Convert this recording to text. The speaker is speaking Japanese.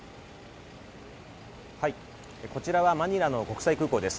こちらはマニラの国際空港です。